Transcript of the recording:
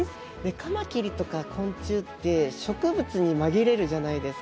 カマキリとか昆虫って植物に紛れるじゃないですか。